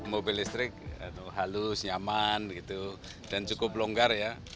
mobil listrik halus nyaman dan cukup longgar ya